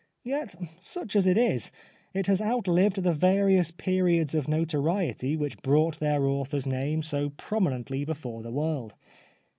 Yet such as it is it has outlived the various periods of notoriety which brought their author's name so prominently before the world.